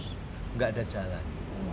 tidak ada jalan